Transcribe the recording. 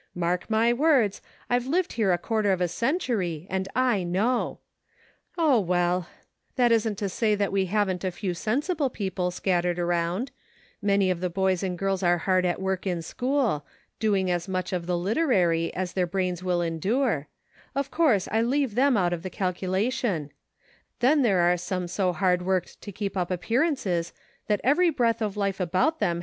Mark my words; I've lived here a quarter of a century, and I know. O, well ! that isn't to say that we haven't a few sensi ble people scattered around ; many of the boys and girls are hard at work in school ; doing as much of the literary as their brains will endure ; of course, I leave them out of the calculation ; then there are some so hard worked to keep up appearances that every breath of life about them CIRCLES.